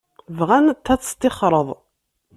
Bɣant ad teṭṭixreḍ.